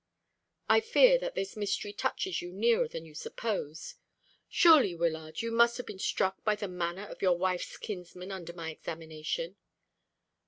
"I fear that this mystery touches you nearer than you suppose. Surely, Wyllard, you must have been struck by the manner of your wife's kinsman under my examination."